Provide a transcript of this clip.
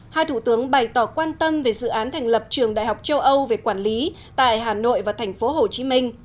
hai thủ tướng bày tỏ quan tâm về dự án thành lập trường đại học châu âu về quản lý tại hà nội và tp hcm